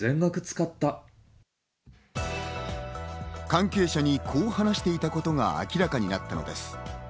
関係者にこう話していたことが明らかになったのです。